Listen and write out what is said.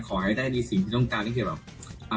ขอให้ได้มีสิ่งที่ต้องการอย่างเกี่ยวกับแบบ